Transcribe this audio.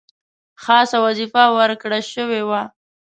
خاصه وظیفه ورکړه شوې وه.